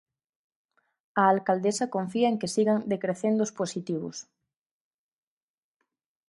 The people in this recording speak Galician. A alcaldesa confía en que sigan decrecendo os positivos.